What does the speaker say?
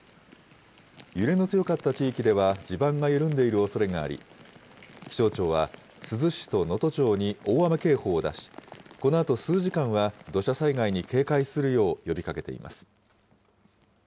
揺れの強かった地域では、地盤が緩んでいるおそれがあり、気象庁は珠洲市と能登町に大雨警報を出し、このあと数時間は、土砂災害に警戒するよう呼びかけています。